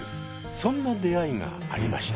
そんな出会いがありました。